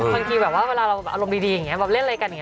เมื่อกี้แบบว่าว่าเราอารมณ์ดีแบบเล่นอะไรกันไง